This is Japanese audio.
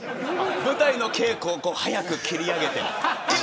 舞台の稽古を早く切り上げて。